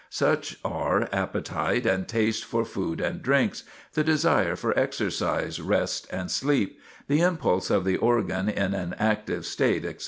Such are appetite and taste for food and drinks; the desire for exercise, rest, and sleep; the impulse of the organs in an active state, etc.